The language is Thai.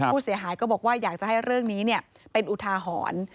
ผู้เสียหายก็บอกว่าอยากจะให้เรื่องนี้เป็นอุทาหรณ์